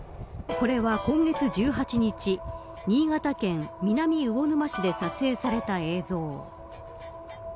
これは今月１８日新潟県南魚沼市で撮影された映像。